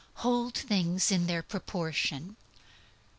Hold things in their proportion.